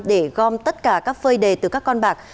để gom tất cả các phơi đề từ các con bạc